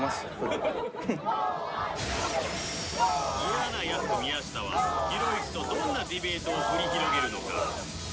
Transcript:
嫌なヤツ宮下はひろゆきとどんなディベートを繰り広げるのか？